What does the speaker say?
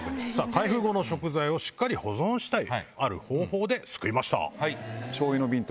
開封後の食材を保存したいある方法で救いました。